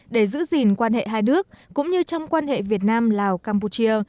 để giữ gìn quan hệ hai nước cũng như trong quan hệ việt nam lào campuchia